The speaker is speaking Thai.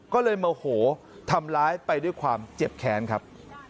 ก็เลยโมโหทำร้ายไปด้วยความเจ็บแค้นครับ